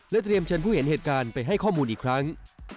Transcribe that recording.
เตรียมเชิญผู้เห็นเหตุการณ์ไปให้ข้อมูลอีกครั้ง